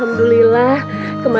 kemarin itu kecelakaan allah